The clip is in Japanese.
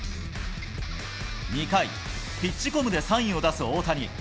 ２回、ピッチコムでサインを出す大谷。